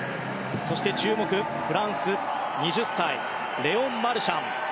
注目、フランスの２０歳レオン・マルシャン。